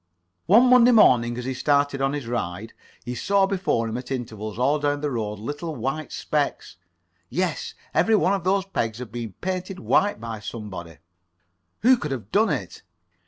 One Monday morning as he started on his ride he saw before him at intervals all down the road little white specks. Yes, every one of those pegs had been painted white by somebody. Who could have done it?